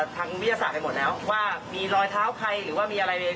ทางวิทยาศาสตร์ไปหมดแล้วว่ามีรอยเท้าใครหรือว่ามีอะไรเลย